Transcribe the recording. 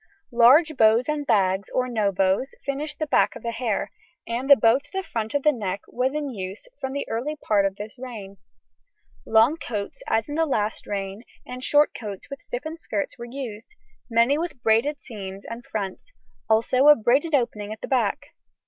Large bows and bags, or no bows, finished the back hair, and the bow to the front of the neck was in use from the early part of this reign. Long coats, as in the last reign, and short coats with stiffened skirts were used; many with braided seams and fronts, also a braided opening at the back.